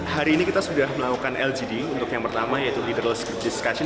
hari ini kita sudah melakukan lgd untuk yang pertama yaitu leaderless discussion